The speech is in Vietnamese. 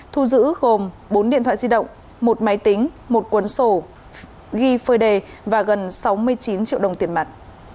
thu giữ gồm bốn điện thoại di động một máy tính một cuốn sổ ghi phơi đề và gần sáu mươi chín triệu đồng tiền mặt